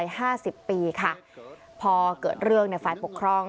ห้าสิบปีค่ะพอเกิดเรื่องในฝ่ายปกครอง